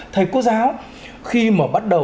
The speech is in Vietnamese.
thầy cô giáo